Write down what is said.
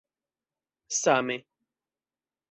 Same.